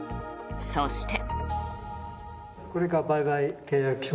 そして。